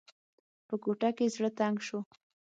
په کوټه کې زړه تنګ شو.